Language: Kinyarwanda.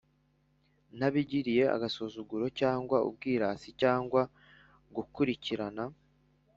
ntabigiriye agasuzuguro cyangwa ubwirasi cyangwa gukurikirana